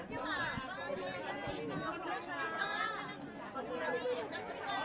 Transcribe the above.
ไม่ได้หยัดแล้วนะ